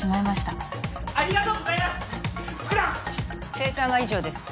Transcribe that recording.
精算は以上です。